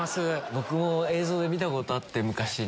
僕も映像で見たことあって昔に。